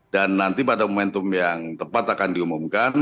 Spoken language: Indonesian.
dan nanti pada momentum yang tepat akan diumumkan